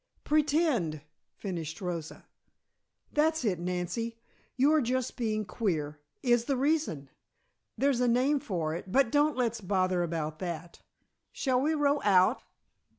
"Pretend," finished Rosa. "That's it, Nancy, you're just being queer, is the reason. There's a name for it but don't let's bother about that. Shall we row out?"